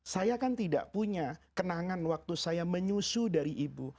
saya kan tidak punya kenangan waktu saya menyusu dari ibu